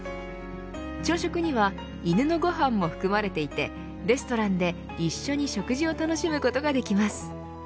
朝食には犬のご飯も含まれていてレストランで一緒に食事を楽しむことができます。